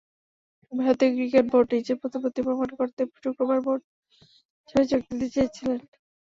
ভারতীয় ক্রিকেট বোর্ডে নিজের প্রতিপত্তি প্রমাণ করতেই শুক্রবার বোর্ড সভায় যোগ দিতে চেয়েছিলেন।